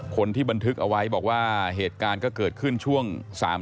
คนที่บันทึกเอาไว้บอกว่าเหตุการณ์ก็เกิดขึ้นช่วง๓ทุ่ม